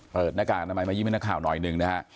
เปิดหน้ากากใหม่มายิ้มให้นักข่าวหน่อยหนึ่ง